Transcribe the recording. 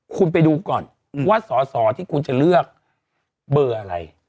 คุณไปดูก่อนว่าสอสอที่คุณจะเลือกเบอร์อะไร